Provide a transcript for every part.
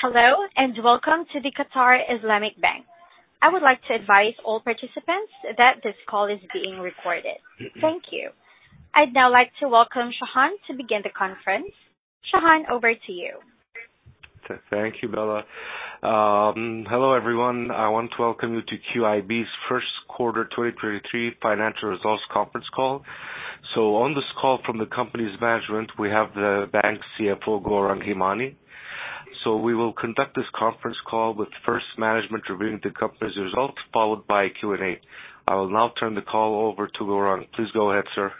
Hello, welcome to the Qatar Islamic Bank. I would like to advise all participants that this call is being recorded. Thank you. I'd now like to welcome Shahan to begin the conference. Shahan, over to you. Thank you, Bella. Hello, everyone. I want to welcome you to QIB's 1st quarter 2023 financial results conference call. On this call from the company's management, we have the bank's CFO, Gourang Hemani. We will conduct this conference call with first management reviewing the company's results followed by a Q&A. I will now turn the call over to Gourang. Please go ahead, sir.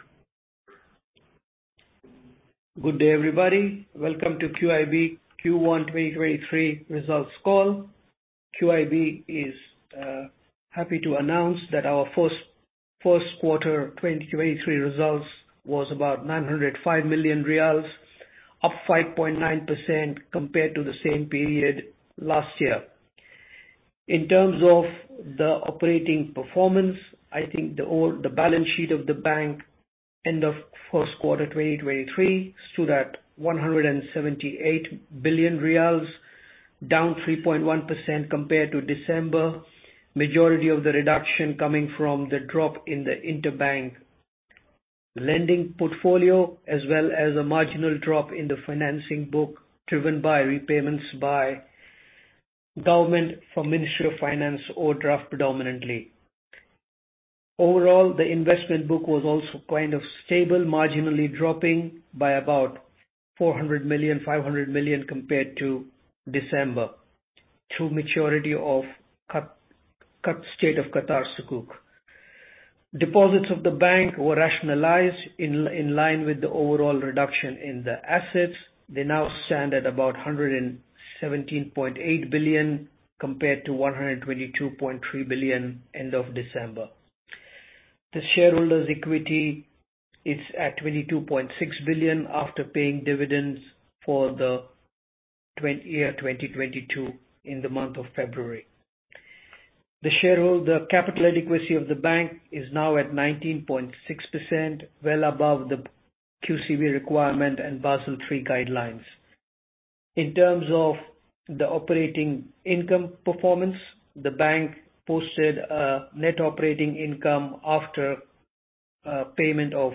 Good day, everybody. Welcome to QIB Q1 2023 results call. QIB is happy to announce that our first quarter 2023 results was about 905 million riyals, up 5.9% compared to the same period last year. In terms of the operating performance, I think the balance sheet of the bank end of first quarter 2023 stood at 178 billion riyals, down 3.1% compared to December. Majority of the reduction coming from the drop in the interbank lending portfolio, as well as a marginal drop in the financing book driven by repayments by government from Ministry of Finance overdraft predominantly. Overall, the investment book was also kind of stable, marginally dropping by about 400 million-500 million compared to December through maturity of State of Qatar Sukuk. Deposits of the bank were rationalized in line with the overall reduction in the assets. They now stand at about 117.8 billion compared to 122.3 billion end of December. The shareholders' equity is at 22.6 billion after paying dividends for the year 2022 in the month of February. The capital adequacy of the bank is now at 19.6%, well above the QCB requirement and Basel III guidelines. In terms of the operating income performance, the bank posted a net operating income after payment of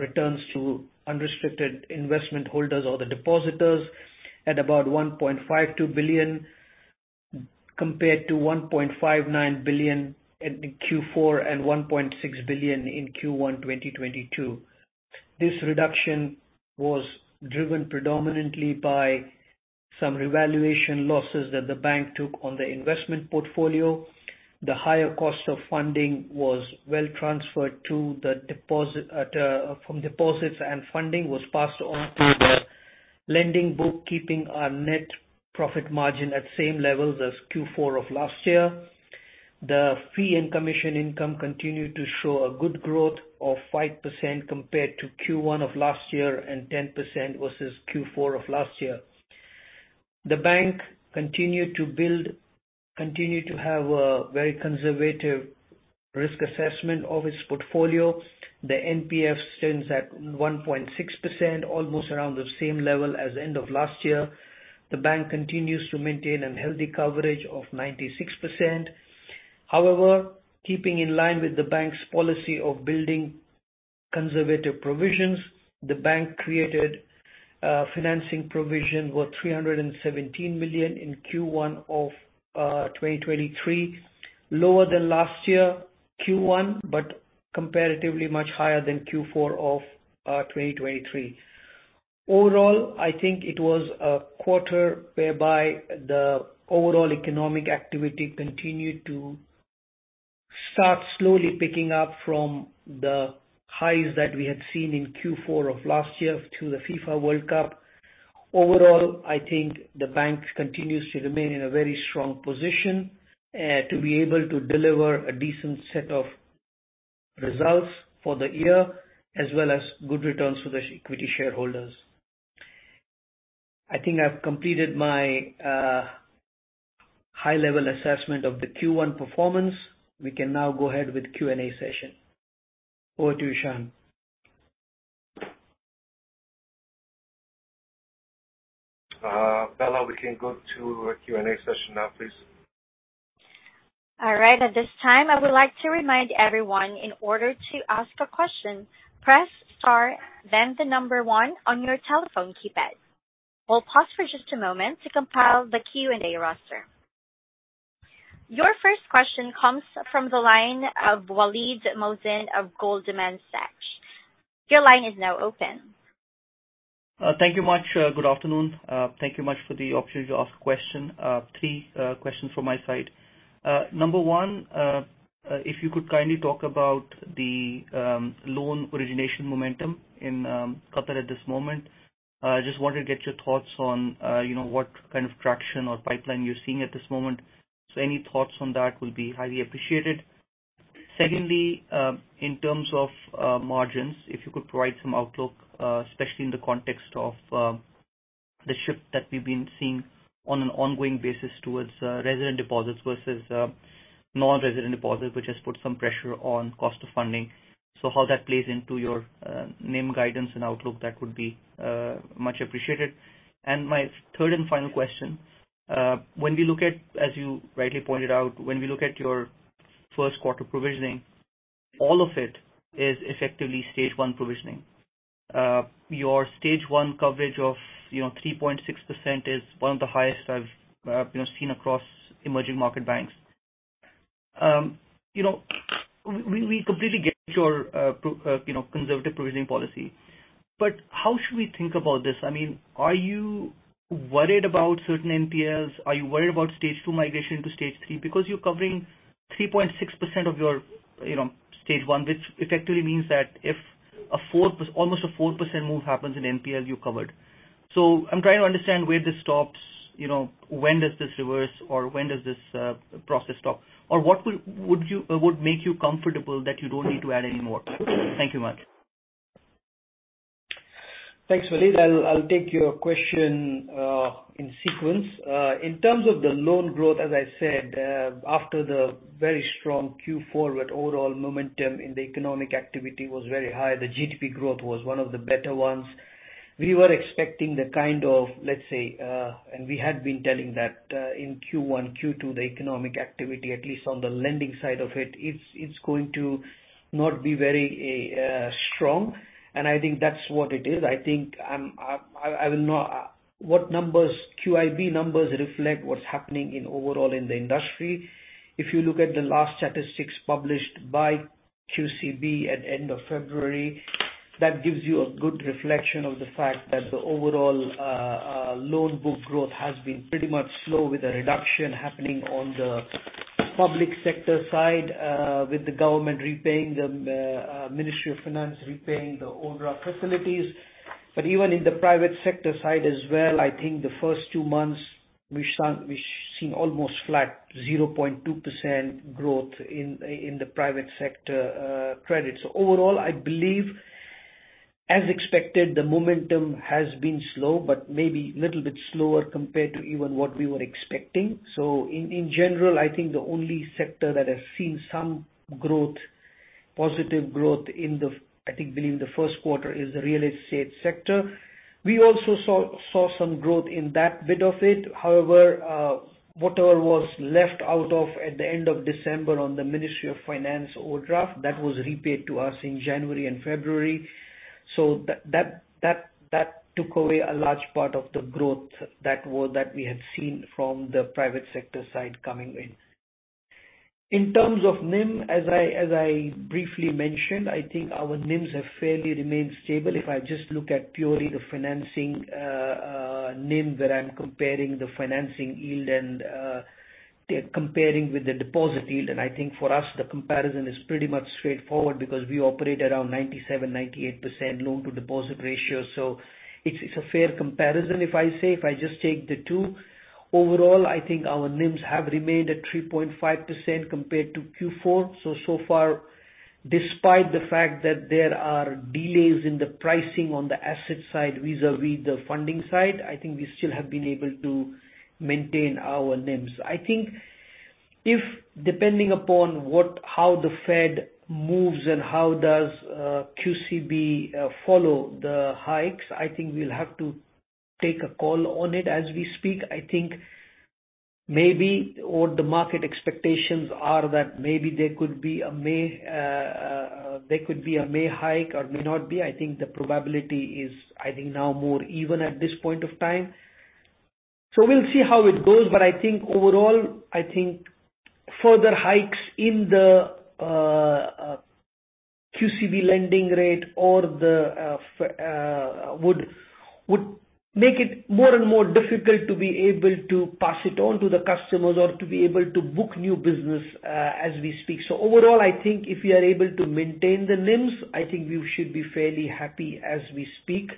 returns to unrestricted investment holders or the depositors at about 1.52 billion, compared to 1.59 billion in Q4 and 1.6 billion in Q1 2022. This reduction was driven predominantly by some revaluation losses that the bank took on the investment portfolio. The higher cost of funding was well transferred to the deposit from deposits and funding was passed on to the lending book, keeping our net profit margin at same levels as Q4 of last year. The fee and commission income continued to show a good growth of 5% compared to Q1 of last year and 10% versus Q4 of last year. The bank continued to have a very conservative risk assessment of its portfolio. The NPF stands at 1.6%, almost around the same level as end of last year. The bank continues to maintain a healthy coverage of 96%. However, keeping in line with the bank's policy of building conservative provisions, the bank created financing provision worth 317 million in Q1 of 2023. Lower than last year Q1, comparatively much higher than Q4 of 2023. Overall, I think it was a quarter whereby the overall economic activity continued to start slowly picking up from the highs that we had seen in Q4 of last year through the FIFA World Cup. Overall, I think the bank continues to remain in a very strong position to be able to deliver a decent set of results for the year as well as good returns for the equity shareholders. I think I've completed my high-level assessment of the Q1 performance. We can now go ahead with Q&A session. Over to you, Shahan. Bella, we can go to Q&A session now, please. All right. At this time, I would like to remind everyone in order to ask a question, press star then 1 on your telephone keypad. We'll pause for just a moment to compile the Q&A roster. Your first question comes from the line of Waleed Mohsin of Goldman Sachs. Your line is now open. Thank you much. Good afternoon. Thank you much for the opportunity to ask a question. Three questions from my side. Number one, if you could kindly talk about the loan origination momentum in Qatar at this moment. Just wanted to get your thoughts on, you know, what kind of traction or pipeline you're seeing at this moment. Any thoughts on that will be highly appreciated. Secondly, in terms of margins, if you could provide some outlook, especially in the context of the shift that we've been seeing on an ongoing basis towards resident deposits versus non-resident deposits, which has put some pressure on cost of funding. How that plays into your NIM guidance and outlook, that would be much appreciated. My third and final question. When we look at, as you rightly pointed out, when we look at your first quarter provisioning, all of it is effectively Stage 1 provisioning. Your Stage 1 coverage of, you know, 3.6% is one of the highest I've, you know, seen across emerging market banks. You know, we completely get your, You know, conservative provisioning policy. How should we think about this? I mean, are you worried about certain NPLs? Are you worried about Stage 2 migration to Stage 3? You're covering 3.6% of your, you know, Stage 1, which effectively means that if Almost a 4% move happens in NPL, you're covered. I'm trying to understand where this stops, you know, when does this reverse or when does this process stop? What would you... What would make you comfortable that you don't need to add any more? Thank you much. Thanks, Waleed. I'll take your question in sequence. In terms of the loan growth, as I said, after the very strong Q4 where overall momentum in the economic activity was very high, the GDP growth was one of the better ones. We were expecting the kind of, let's say, and we had been telling that in Q1, Q2, the economic activity, at least on the lending side of it's going to not be very strong, and I think that's what it is. I think I'm... I will not... QIB numbers reflect what's happening in overall in the industry. If you look at the last statistics published by QCB at end of February, that gives you a good reflection of the fact that the overall loan book growth has been pretty much slow with a reduction happening on the public sector side, with the government repaying the Ministry of Finance repaying the overdraft facilities. Even in the private sector side as well, I think the first two months we saw, we've seen almost flat 0.2% growth in the private sector credit. Overall, I believe, as expected, the momentum has been slow, but maybe little bit slower compared to even what we were expecting. In general, I think the only sector that has seen some growth, positive growth in the. I think believe the first quarter is the real estate sector. We also saw some growth in that bit of it. Whatever was left out of at the end of December on the Ministry of Finance overdraft, that was repaid to us in January and February. That took away a large part of the growth that we had seen from the private sector side coming in. In terms of NIM, as I briefly mentioned, I think our NIMs have fairly remained stable. If I just look at purely the financing NIM, where I'm comparing the financing yield and they're comparing with the deposit yield. I think for us the comparison is pretty much straightforward because we operate around 97%-98% loan to deposit ratio. It's a fair comparison if I say, if I just take the two. Overall, I think our NIMs have remained at 3.5% compared to Q4. So far, despite the fact that there are delays in the pricing on the asset side vis-à-vis the funding side, I think we still have been able to maintain our NIMs. I think if depending upon what how the Fed moves and how does QCB follow the hikes, I think we'll have to take a call on it as we speak. I think maybe all the market expectations are that maybe there could be a May hike or may not be. I think the probability is now more even at this point of time. We'll see how it goes, but I think overall, I think further hikes in the QCB lending rate or the would make it more and more difficult to be able to pass it on to the customers or to be able to book new business as we speak. Overall, I think if we are able to maintain the NIMs, I think we should be fairly happy as we speak.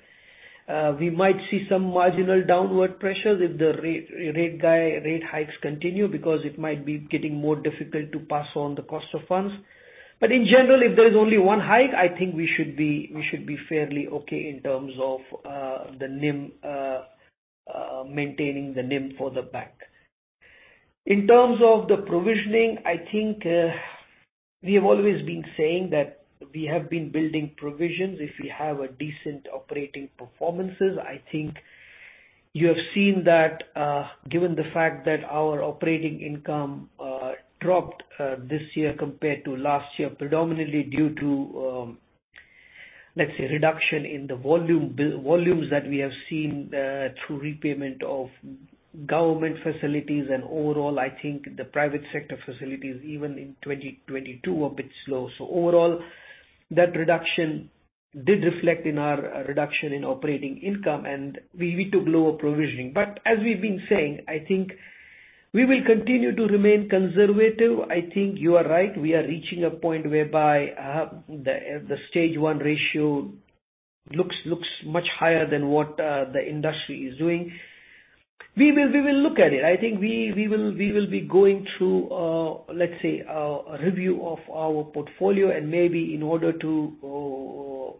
We might see some marginal downward pressure if the rate hikes continue because it might be getting more difficult to pass on the cost of funds. In general, if there's only one hike, I think we should be, we should be fairly okay in terms of the NIM maintaining the NIM for the bank. In terms of the provisioning, I think, we have always been saying that we have been building provisions. If we have a decent operating performances, I think you have seen that, given the fact that our operating income, dropped this year compared to last year, predominantly due to, let's say, reduction in the volume volumes that we have seen through repayment of government facilities and overall, I think the private sector facilities even in 2022 are a bit slow. Overall, that reduction did reflect in our reduction in operating income, and we took lower provisioning. As we've been saying, I think we will continue to remain conservative. I think you are right, we are reaching a point whereby, the Stage 1 ratio looks much higher than what the industry is doing. We will look at it. I think we will be going through a, let's say, a review of our portfolio and maybe in order to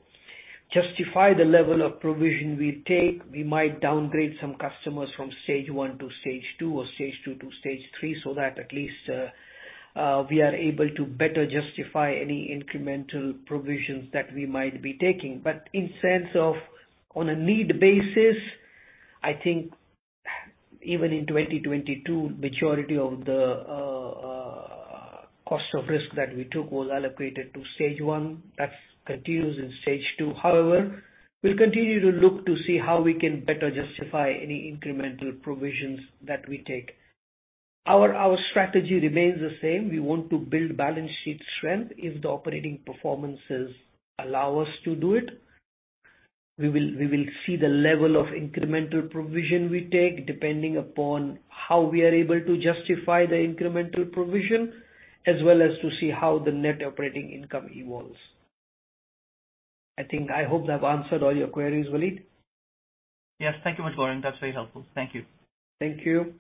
justify the level of provision we take, we might downgrade some customers from Stage 1 to Stage 2 or Stage 2 to Stage 3, so that at least we are able to better justify any incremental provisions that we might be taking. In sense of on a need basis, I think. Even in 2022, majority of the cost of risk that we took was allocated to Stage 1. That continues in Stage 2. However, we'll continue to look to see how we can better justify any incremental provisions that we take. Our strategy remains the same. We want to build balance sheet strength if the operating performances allow us to do it. We will see the level of incremental provision we take depending upon how we are able to justify the incremental provision, as well as to see how the net operating income evolves. I hope I've answered all your queries, Waleed. Yes. Thank you much, Waleed. That's very helpful. Thank you. Thank you.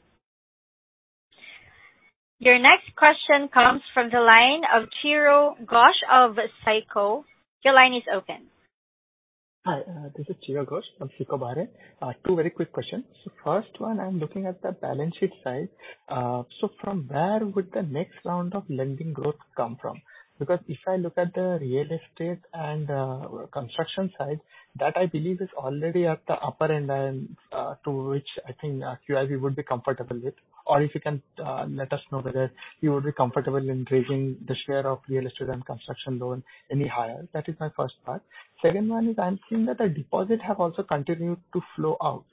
Your next question comes from the line of Chiro Ghosh of SICO. Your line is open. Hi, this is Chiro Ghosh from SICO. Two very quick questions. First one, I'm looking at the balance sheet side. From where would the next round of lending growth come from? If I look at the real estate and construction side, that I believe is already at the upper end and to which I think QIB would be comfortable with. If you can let us know whether you would be comfortable in raising the share of real estate and construction loan any higher? That is my first part. Second one is I'm seeing that the deposit have also continued to flow out.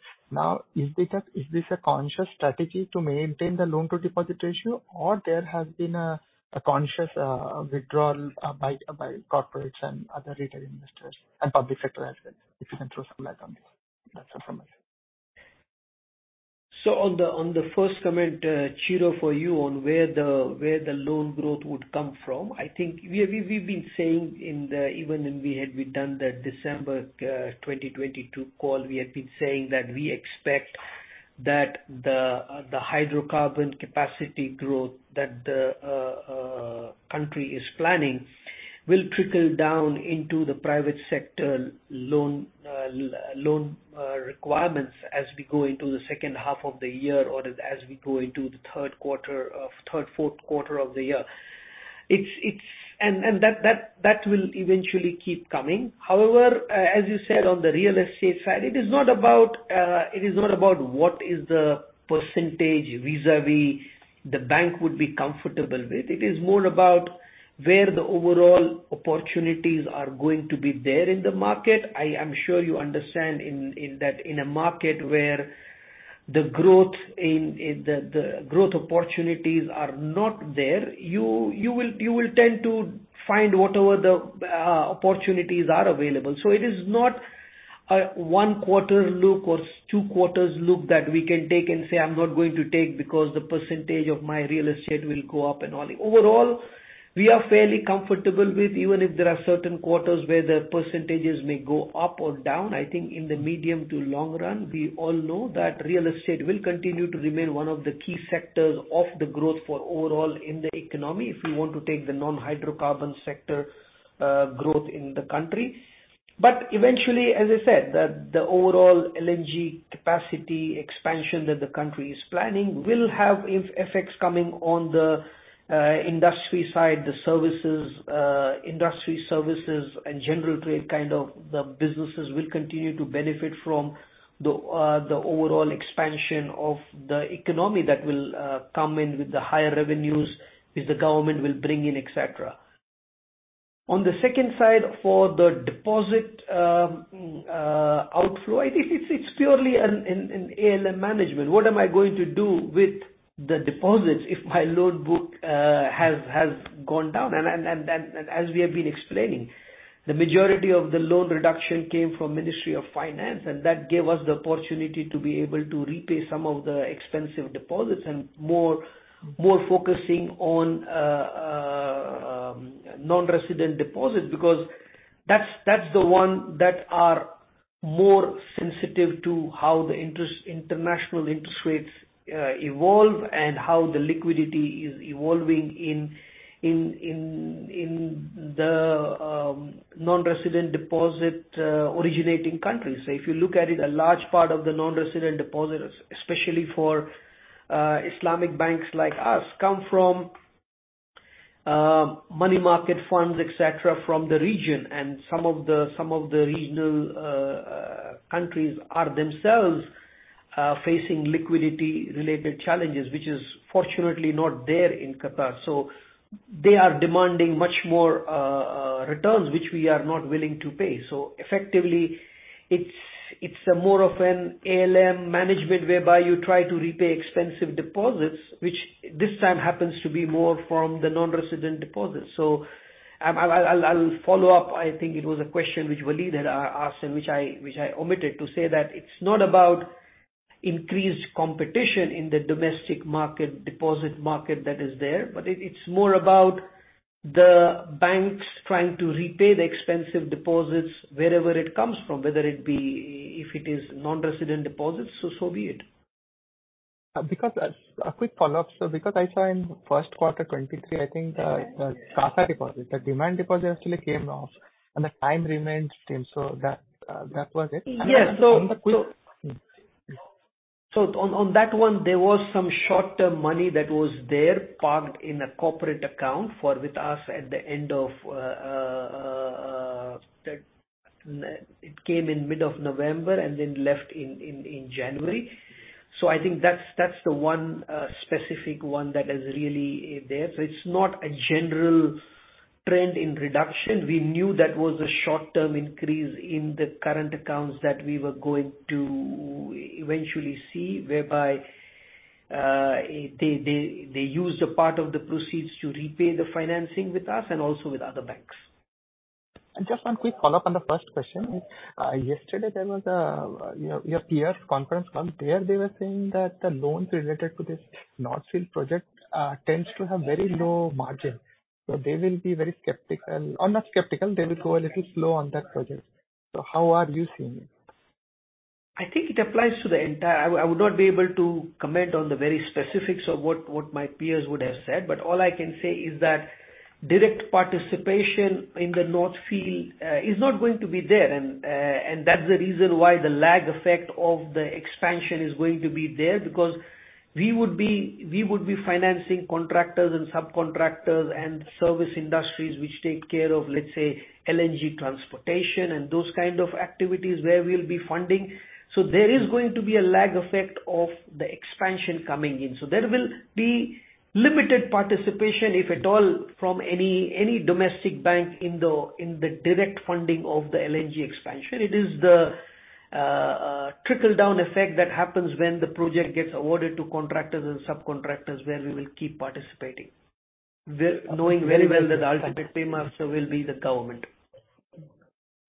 Is this a conscious strategy to maintain the loan-to-deposit ratio, or there has been a conscious withdrawal by corporates and other retail investors and public sector as well? If you can throw some light on this. That's it from my side. On the first comment, Chiro, for you on where the loan growth would come from, I think we've been saying in the... even when we had returned that December 2022 call, we had been saying that we expect that the hydrocarbon capacity growth that the country is planning will trickle down into the private sector loan requirements as we go into the second half of the year or as we go into the third, fourth quarter of the year. It's and that will eventually keep coming. However, as you said on the real estate side, it is not about, it is not about what is the percentage vis-a-vis the bank would be comfortable with. It is more about where the overall opportunities are going to be there in the market. I am sure you understand in that, in a market where the growth in the growth opportunities are not there, you will tend to find whatever the opportunities are available. It is not a 1-quarter look or 2 quarters look that we can take and say, "I'm not going to take because the % of my real estate will go up," and all. Overall, we are fairly comfortable with even if there are certain quarters where the %s may go up or down. I think in the medium to long run, we all know that real estate will continue to remain one of the key sectors of the growth for overall in the economy, if we want to take the non-hydrocarbon sector, growth in the country. Eventually, as I said, the overall LNG capacity expansion that the country is planning will have effects coming on the industry side, the services, industry services and general trade kind of the businesses will continue to benefit from the overall expansion of the economy that will come in with the higher revenues if the government will bring in, etc. On the second side, for the deposit, outflow, I think it's purely an ALM management. What am I going to do with the deposits if my loan book has gone down? As we have been explaining, the majority of the loan reduction came from Ministry of Finance, and that gave us the opportunity to be able to repay some of the expensive deposits and more focusing on non-resident deposits, because that's the one that are more sensitive to how the international interest rates evolve and how the liquidity is evolving in the non-resident deposit originating countries. If you look at it, a large part of the non-resident deposits, especially for Islamic banks like us, come from money market funds, etc., from the region. Some of the regional countries are themselves facing liquidity-related challenges, which is fortunately not there in Qatar. They are demanding much more returns, which we are not willing to pay. Effectively, it's a more of an ALM management whereby you try to repay expensive deposits, which this time happens to be more from the non-resident deposits. I'll follow up. I think it was a question which Waleed had asked and which I omitted to say that it's not about increased competition in the domestic market deposit market that is there, but it's more about the banks trying to repay the expensive deposits wherever it comes from, whether it be if it is non-resident deposits, so be it. A quick follow-up. Because I saw in first quarter 2023, I think, the Qatar deposit, the demand deposit actually came off and the time remained still. That, that was it. On that one, there was some short-term money that was there parked in a corporate account for with us. That it came in mid of November and then left in January. I think that's the one specific one that is really there. It's not a general trend in reduction. We knew that was a short-term increase in the current accounts that we were going to eventually see, whereby they used a part of the proceeds to repay the financing with us and also with other banks. Just one quick follow-up on the first question. yesterday there was you know, your peers conference call. There they were saying that the loans related to this North Field project tends to have very low margin. They will be very skeptical. Not skeptical, they will go a little slow on that project. How are you seeing it? I think it applies to the entire... I would not be able to comment on the very specifics of what my peers would have said, but all I can say is that direct participation in the North Field is not going to be there. That's the reason why the lag effect of the expansion is going to be there, because we would be financing contractors and subcontractors and service industries which take care of, let's say, LNG transportation and those kind of activities where we'll be funding. There is going to be a lag effect of the expansion coming in. There will be limited participation, if at all, from any domestic bank in the direct funding of the LNG expansion. It is the trickle-down effect that happens when the project gets awarded to contractors and subcontractors where we will keep participating. We're knowing very well that the ultimate paymaster will be the government.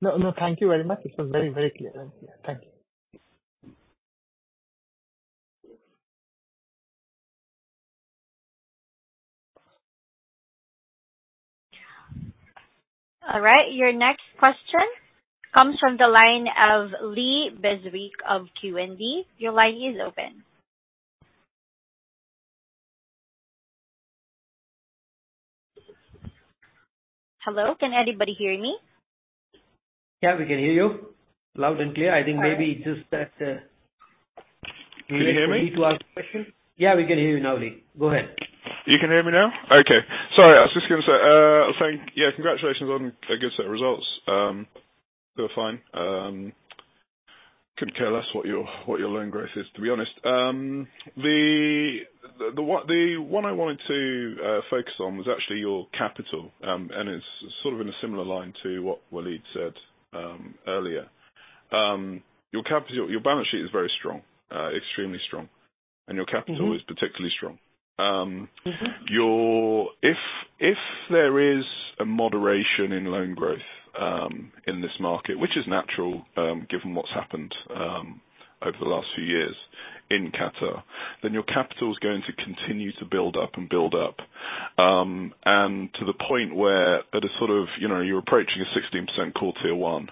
No, no. Thank you very much. This was very, very clear. Thank you. All right, your next question comes from the line of Lee Beswick of QNB. Your line is open. Hello, can anybody hear me? Yeah, we can hear you loud and clear. I think maybe just that. Can you hear me? Yeah, we can hear you now, Lee. Go ahead. You can hear me now? Okay. Sorry. I was just gonna say, congratulations on a good set of results. They were fine. Couldn't care less what your loan growth is, to be honest. The one I wanted to focus on was actually your capital. It's sort of in a similar line to what Waleed said earlier. Your balance sheet is very strong, extremely strong. Mm-hmm. Your capital is particularly strong. Mm-hmm. Your. If there is a moderation in loan growth in this market, which is natural, given what's happened over the last few years in Qatar, then your capital is going to continue to build up to the point where at a sort of, you know, you're approaching a 16% Core Tier 1.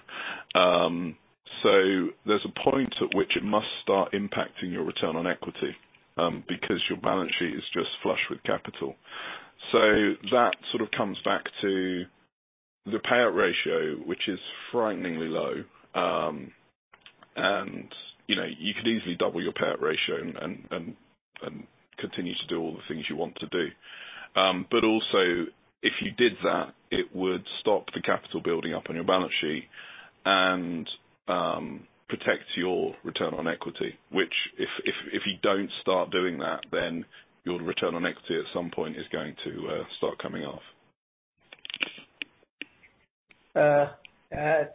There's a point at which it must start impacting your return on equity because your balance sheet is just flush with capital. That sort of comes back to the payout ratio, which is frighteningly low. You know, you could easily double your payout ratio and continue to do all the things you want to do. Also, if you did that, it would stop the capital building up on your balance sheet and protect your return on equity, which if you don't start doing that, then your return on equity at some point is going to start coming off. Nice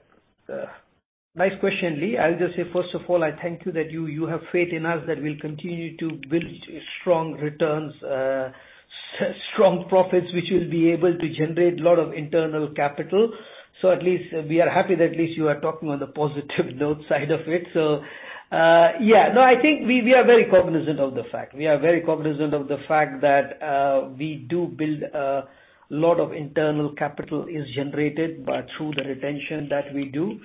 question, Lee. I'll just say, first of all, I thank you that you have faith in us that we'll continue to build strong returns, strong profits, which will be able to generate a lot of internal capital. At least we are happy that at least you are talking on the positive note side of it. Yeah. No, I think we are very cognizant of the fact. We are very cognizant of the fact that we do build a lot of internal capital is generated by through the retention that we do.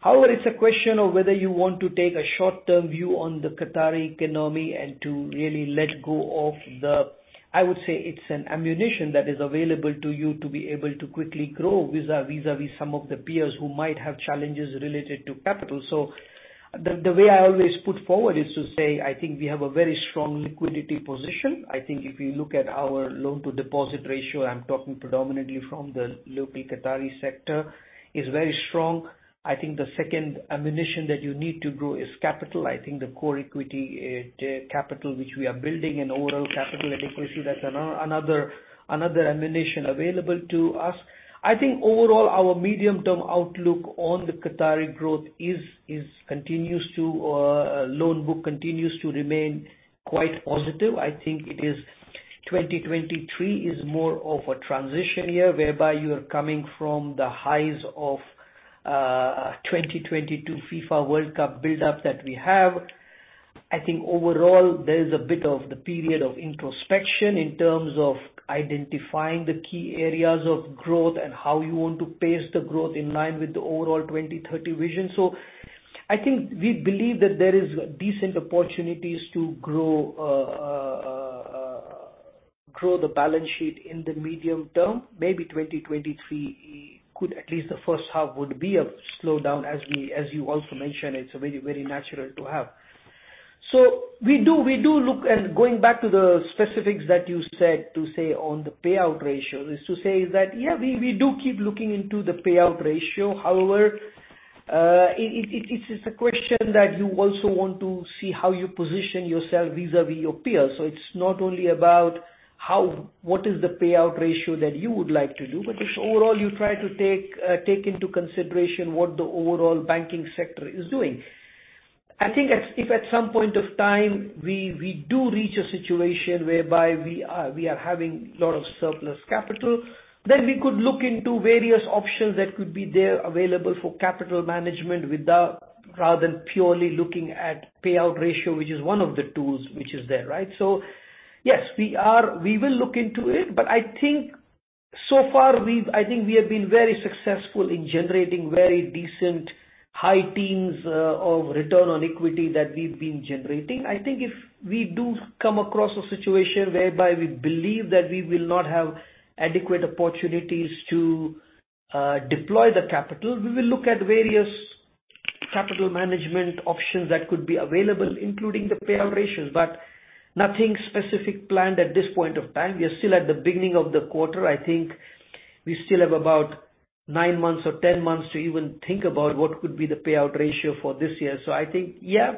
However, it's a question of whether you want to take a short-term view on the Qatari economy and to really let go of the... I would say it's an ammunition that is available to you to be able to quickly grow vis-a-vis some of the peers who might have challenges related to capital. The way I always put forward is to say I think we have a very strong liquidity position. I think if you look at our loan to deposit ratio, I'm talking predominantly from the local Qatari sector, is very strong. I think the second ammunition that you need to grow is capital. I think the core equity capital which we are building and overall capital adequacy, that's another ammunition available to us. I think overall our medium-term outlook on the Qatari growth is continues to loan book continues to remain quite positive. I think it is... 2023 is more of a transition year whereby you are coming from the highs of 2022 FIFA World Cup buildup that we have. I think overall there is a bit of the period of introspection in terms of identifying the key areas of growth and how you want to pace the growth in line with the overall 2030 Vision. I think we believe that there is decent opportunities to grow the balance sheet in the medium term. Maybe 2023 could, at least the first half would be a slowdown as we, as you also mentioned. It's very natural to have. We do look at going back to the specifics that you said to say on the payout ratio is to say that, yeah, we do keep looking into the payout ratio. However, it is a question that you also want to see how you position yourself vis-à-vis your peers. It's not only about how what is the payout ratio that you would like to do, but it's overall you try to take into consideration what the overall banking sector is doing. I think if at some point of time we do reach a situation whereby we are having a lot of surplus capital, then we could look into various options that could be there available for capital management without rather than purely looking at payout ratio, which is one of the tools which is there, right? Yes, we will look into it, but I think so far we've. I think we have been very successful in generating very decent high teens of return on equity that we've been generating. I think if we do come across a situation whereby we believe that we will not have adequate opportunities to deploy the capital, we will look at various capital management options that could be available, including the payout ratios, but nothing specific planned at this point of time. We are still at the beginning of the quarter. I think we still have about nine months or 10 months to even think about what could be the payout ratio for this year. I think, yeah,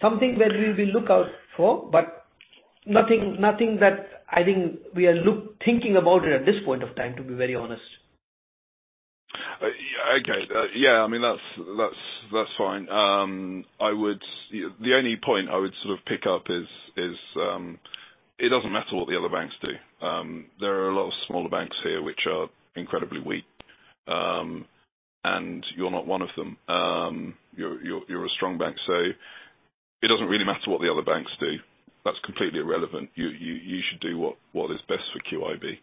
something where we will look out for, but nothing that I think we are thinking about it at this point of time, to be very honest. Yeah, okay. Yeah, I mean, that's fine. The only point I would sort of pick up is, it doesn't matter what the other banks do. There are a lot of smaller banks here which are incredibly weak. You're not one of them. You're a strong bank, so it doesn't really matter what the other banks do. That's completely irrelevant. You should do what is best for QIB.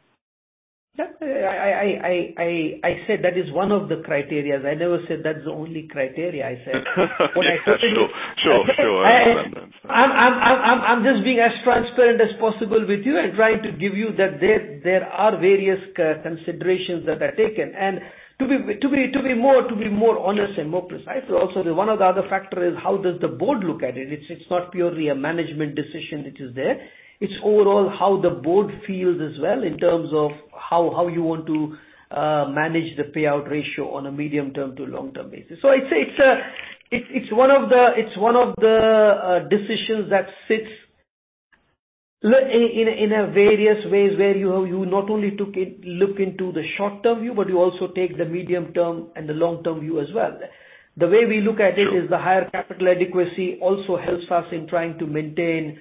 Yeah. I said that is one of the criteria. I never said that is the only criteria. Yes, that's sure. Sure, sure. I understand that. I'm just being as transparent as possible with you and trying to give you that there are various considerations that are taken. To be more honest and more precise, also one of the other factor is how does the board look at it? It's not purely a management decision which is there. It's overall how the board feels as well in terms of how you want to manage the payout ratio on a medium term to long-term basis. I'd say it's one of the decisions that sits in a various ways where you not only look into the short-term view, but you also take the medium-term and the long-term view as well. The way we look at it. Sure. is the higher capital adequacy also helps us in trying to maintain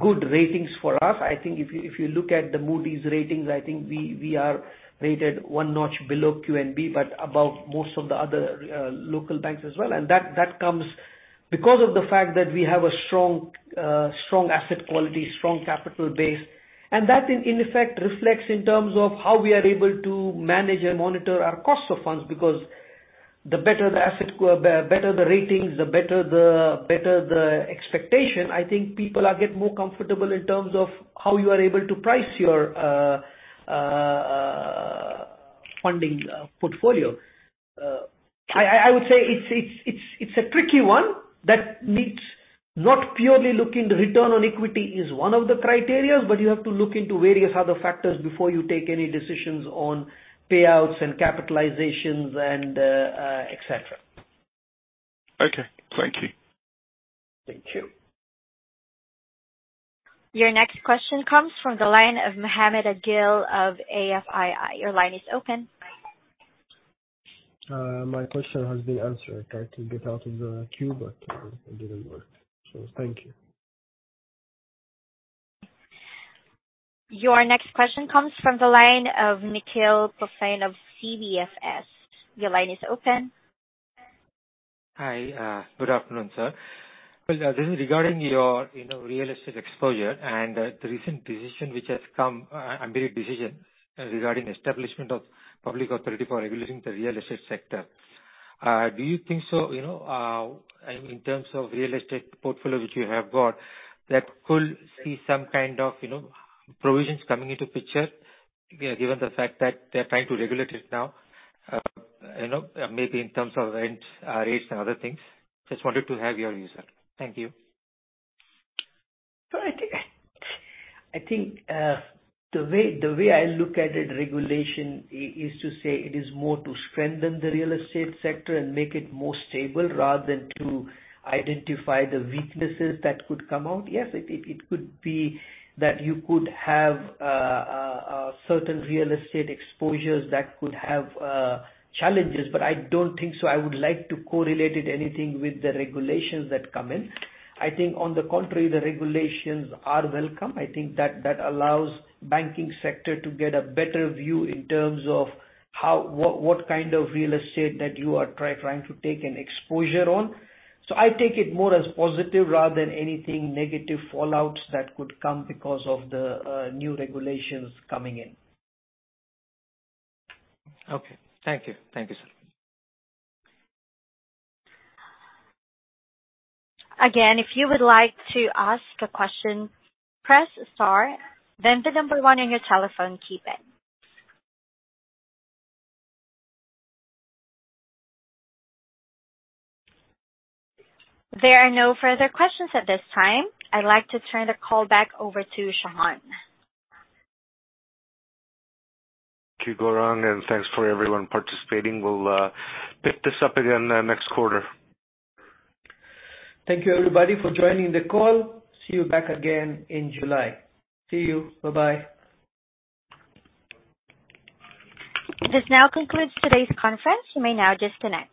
good ratings for us. I think if you, if you look at the Moody's ratings, I think we are rated one notch below QNB, but above most of the other local banks as well. That, that comes because of the fact that we have a strong asset quality, strong capital base, and that in effect, reflects in terms of how we are able to manage and monitor our cost of funds, because the better the asset quality, better the ratings, the better the expectation. I think people are get more comfortable in terms of how you are able to price your funding portfolio. I would say it's, it's a tricky one that needs not purely looking. The return on equity is one of the criteria, but you have to look into various other factors before you take any decisions on payouts and capitalizations and et cetera. Okay. Thank you. Thank you. Your next question comes from the line of Mohammed Agil of AFI. Your line is open. My question has been answered. I tried to get out of the queue, it didn't work. Thank you. Your next question comes from the line of Nikhil Phutane of CDFS. Your line is open. Hi. Good afternoon, sir. Well, this is regarding your, you know, real estate exposure and the recent decision which has come, Amiri Decision regarding establishment of public authority for regulating the real estate sector. Do you think so, you know, in terms of real estate portfolio which you have got, that could see some kind of, you know, provisions coming into picture? Given the fact that they're trying to regulate it now, you know, maybe in terms of rent, rates and other things. Just wanted to have your views, sir. Thank you. I think, the way I look at it, regulation is to say it is more to strengthen the real estate sector and make it more stable rather than to identify the weaknesses that could come out. Yes, it could be that you could have a certain real estate exposures that could have challenges, but I don't think so. I would like to correlate it anything with the regulations that come in. I think on the contrary, the regulations are welcome. I think that allows banking sector to get a better view in terms of how what kind of real estate that you are trying to take an exposure on. I take it more as positive rather than anything negative fallouts that could come because of the new regulations coming in. Okay. Thank you. Thank you, sir. If you would like to ask a question, press star, then 1 on your telephone keypad. There are no further questions at this time. I'd like to turn the call back over to Shahan. Thank you, Gourang, and thanks for everyone participating. We'll pick this up again next quarter. Thank you, everybody, for joining the call. See you back again in July. See you. Bye-bye. This now concludes today's conference. You may now disconnect.